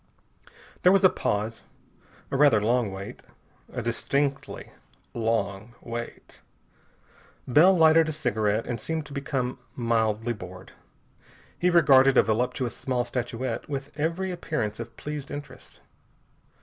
There was a pause. A rather long wait. A distinctly long wait. Bell lighted a cigarette and seemed to become mildly bored. He regarded a voluptuous small statuette with every appearance of pleased interest.